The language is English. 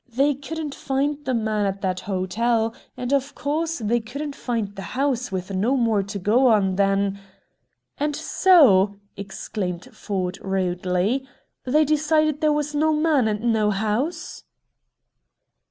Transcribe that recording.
They couldn't find the man at that hotel, and, of course, they couldn't find the house with no more to go on than " "And so," exclaimed Ford rudely, "they decided there was no man, and no house!"